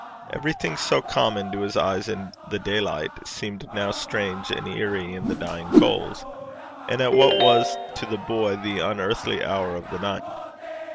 Everything so common to his eyes in the daylight seemed now strange and eerie in the dying coals, and at what was to the boy the unearthly hour of the night.